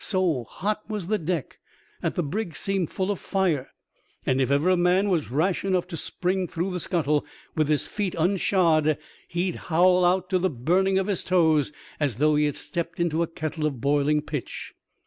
So hot was the deck that the brig seemed full of fire, and if ever a man was rash enough to spring through the scuttle with his feet unshod he'd howl out to the burning of his toes as though he had stepped into a kettle of boiling pitch.